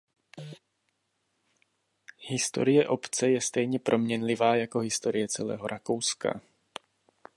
Historie obce je stejně proměnlivá jako historie celého Rakouska.